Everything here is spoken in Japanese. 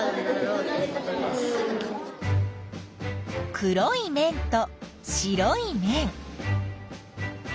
黒いめんと白いめん。